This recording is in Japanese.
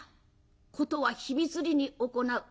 事は秘密裏に行う。